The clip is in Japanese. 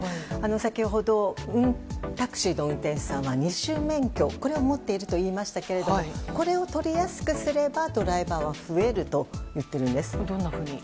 先ほど、タクシーの運転手さんは二種免許を持っていると言いましたがこれを取りやすくすればドライバーは増えるとどんなふうに。